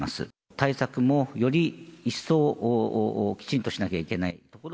対策もより一層、きちんとしなきゃいけない。